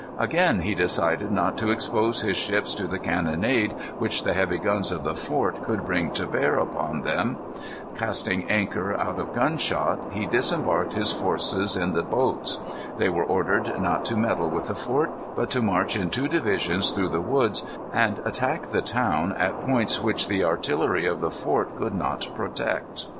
Again he decided not to expose his ships to the cannonade which the heavy guns of the fort could bring to bear upon them. Casting anchor out of gun shot, he disembarked his forces in the boats. They were ordered not to meddle with the fort, but to march in two divisions through the woods, and attack the town at points which the artillery of the fort could not protect.